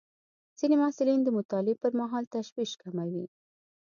ځینې محصلین د مطالعې پر مهال تشویش کموي.